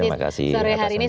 terima kasih mbak tersendang